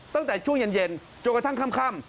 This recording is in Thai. ตั้งแต่ช่วงเย็นจนกระทั่งค่ำ